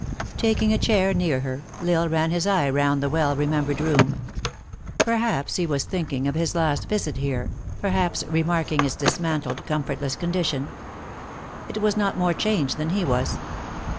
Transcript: Taking a chair near her, L Isle ran his eye round the well remembered room. Perhaps he was think ing of his last visit here perhaps remarking its dis mantled, comfortless condition. It was not more changed than he was.